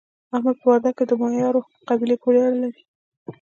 احمد په وردګو کې د مایارو په قبیله پورې اړه لري.